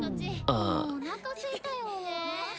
もうおなかすいたよ。